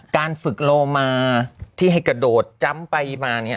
การฝึกโลมาที่ให้กระโดดจ้ำไปมาเนี่ย